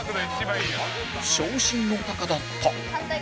傷心のタカだった